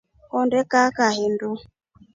Honde kaa kahindu.